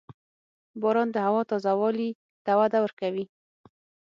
• باران د هوا تازه والي ته وده ورکوي.